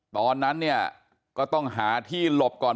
ตอนนั้นเนี่ยก็ต้องหาที่หลบก่อน